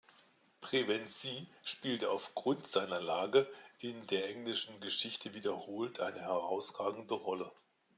Pevensey spielte aufgrund seiner Lage in der englischen Geschichte wiederholt eine herausragende Rolle.